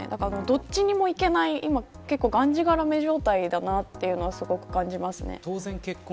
どっちにもいけない今、がんじがらめ状態だなとすごく感じます。